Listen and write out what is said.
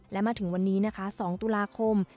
และมาถึงวันนี้นะคะ๒ตุลาคม